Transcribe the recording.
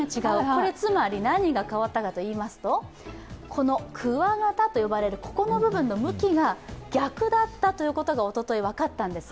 これつまり何が変わったかといいますと、鍬形と呼ばれる部分の向きが逆だったことがおととい分かったんです。